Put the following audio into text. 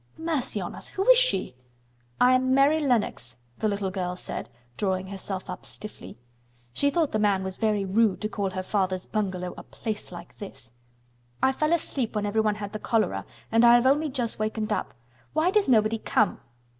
Mercy on us, who is she!" "I am Mary Lennox," the little girl said, drawing herself up stiffly. She thought the man was very rude to call her father's bungalow "A place like this!" "I fell asleep when everyone had the cholera and I have only just wakened up. Why does nobody come?"